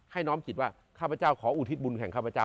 น้อมจิตว่าข้าพเจ้าขออุทิศบุญแข่งข้าพเจ้า